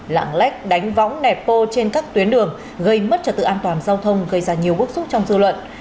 lạng lách đánh võng nẹp bô trên các tuyến đường gây mất trật tự an toàn giao thông gây ra nhiều bức xúc trong dư luận